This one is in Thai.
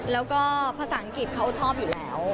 แล้วก็ภาษาอังกฤษเขาชอบอยู่แล้ว